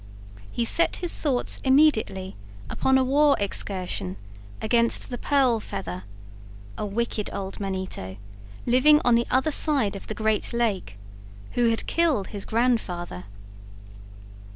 He set his thoughts immediately upon a war excursion against the Pearl Feather, a wicked old manito, living on the other side of the great lake, who had killed his grandfather.